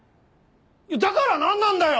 だからなんなんだよ！